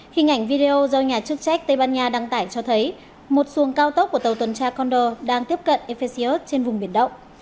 hình ảnh video do nhà chức trách tây ban nha đăng tải cho thấy một xuồng cao tốc của tàu tuần tra conder đang tiếp cận evfios trên vùng biển động